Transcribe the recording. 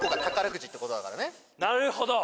なるほど。